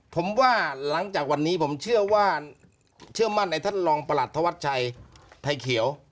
ผมว่าหลังจากวันนี้ผมเชื่อว่าเชื่อมั่นในท่านรองประหลัดธวัชชัยไทยเขียว